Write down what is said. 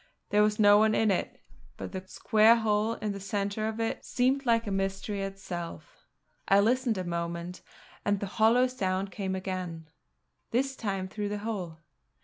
There was no one in it, but the square hole in the centre of it seemed like a mystery itself. I listened a moment; and the hollow sound came again, this time through the hole.